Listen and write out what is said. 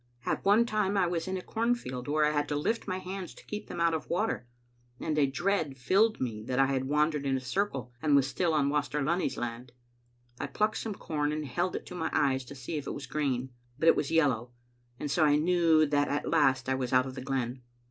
At one time I was in a cornfield, where I had to lift my hands to keep them out of water, and a dread filled me that I had wandered in a circle, and was still on Waster Lunny *s land. I plucked some corn and held it to my eyes to see if it was green; but it was yellow, and so I knew that at last I was out of the glen.